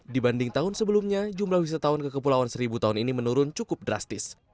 dibanding tahun sebelumnya jumlah wisatawan ke kepulauan seribu tahun ini menurun cukup drastis